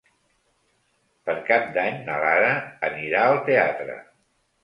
Per Cap d'Any na Lara anirà al teatre.